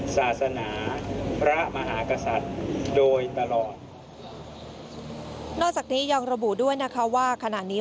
ศาสนาพระมหากษัตริย์โดยตลอดนอกจากนี้ยังระบุด้วยนะคะว่าขณะนี้